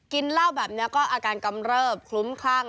กินเหล้าแบบนี้ก็อาการกำเริบคลุ้มคลั่ง